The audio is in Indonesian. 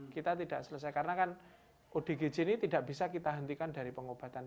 kita tidak selesai karena kan odgj ini tidak bisa kita hentikan dari pengobatan